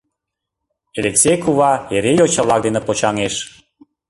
Элексей кува эре йоча-влак дене почаҥеш.